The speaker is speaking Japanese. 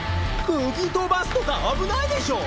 釘飛ばすとか危ないでしょ。